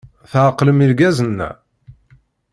Tɛeqlem irgazen-a?